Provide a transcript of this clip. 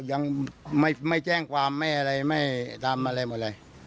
ยังไม่แจ้งความไม่อะไรไม่ทำอะไรหมดเลย